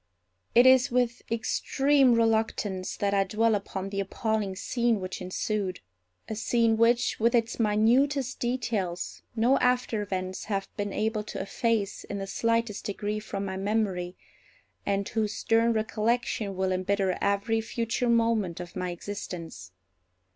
It is with extreme reluctance that I dwell upon the appalling scene which ensued; a scene which, with its minutest details, no after events have been able to efface in the slightest degree from my memory, and whose stern recollection will embitter every future moment of my existence.